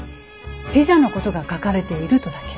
ピザのことが書かれているとだけ。